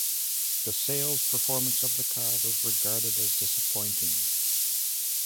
The sales performance of the car was regarded as disappointing.